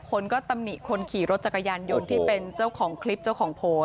คนก็ตำหนิคนขี่รถจักรยานยนต์ที่เป็นเจ้าของคลิปเจ้าของโพสต์